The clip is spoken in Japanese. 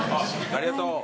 ありがとう。